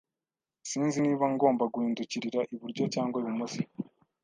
Sinzi niba ngomba guhindukirira iburyo cyangwa ibumoso.